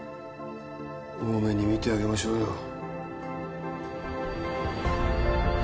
大目に見てあげましょうよ。